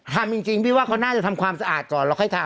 ทำจริงพี่ว่าเขาน่าจะทำความสะอาดก่อนแล้วค่อยทำ